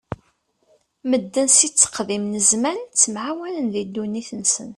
Medden si tteqdim n zzman ttemɛawanen di ddunit-nsen.